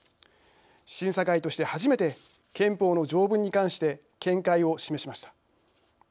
審査会として初めて憲法の条文に関して見解を示しました。